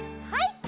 はい。